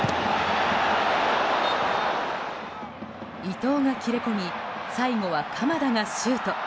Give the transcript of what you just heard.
伊東が切れ込み最後は鎌田がシュート。